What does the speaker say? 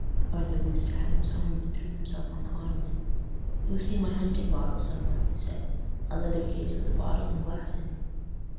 Arthur loosed Adam's arm and threw himself on the ottoman. "You'll see my hunting bottle somewhere," he said. "A leather case with a bottle and glass in."